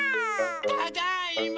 ただいま。